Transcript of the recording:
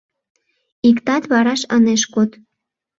Иктат вараш ынеж код